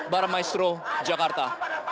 barat maestro jakarta